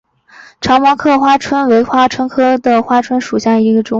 长毛点刻花蝽为花蝽科点刻花椿属下的一个种。